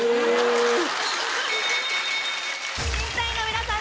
審査員の皆さん